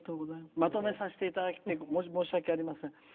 まとめさせていただいて申し訳ありません。